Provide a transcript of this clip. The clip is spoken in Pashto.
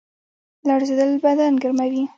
لړزیدل بدن ګرموي